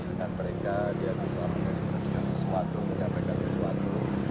bisa dengan mereka bisa mengesmerejukan sesuatu mengatakan sesuatu